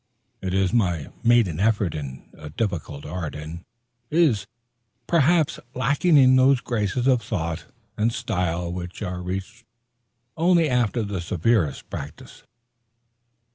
It is my maiden effort in a difficult art, and is, perhaps, lacking in those graces of thought and style which are reached only after the severest practice.